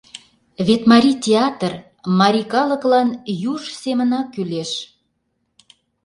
Вет марий театр марий калыклан юж семынак кӱлеш.